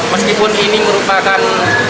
meskipun ini merupakan